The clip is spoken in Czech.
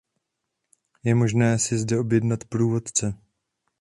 Je možné si zde objednat průvodce.